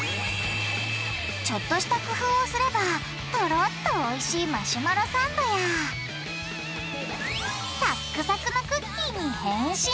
ちょっとした工夫をすればトロッとおいしいマシュマロサンドやサックサクのクッキーに変身！